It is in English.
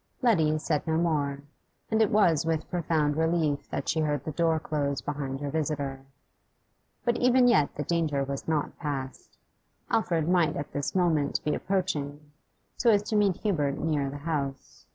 Letty said no more, and it was with profound relief that she heard the door close behind her visitor. But even yet the danger was not past; Alfred might at this moment be approaching, so as to meet Hubert near the house.